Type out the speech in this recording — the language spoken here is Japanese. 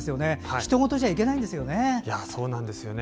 ひと事じゃいけないんですね。